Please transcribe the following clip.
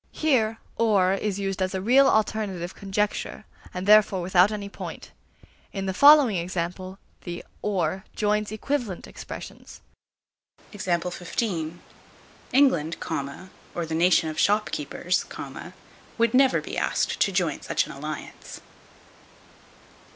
Here "or" is used as a real alternative conjecture, and therefore without any point. In the following examples, the "or" joins equivalent expressions: England, or the nation of shopkeepers, would never be asked to join such an alliance.